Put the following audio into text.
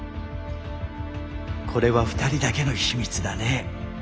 これは２人だけの秘密だね。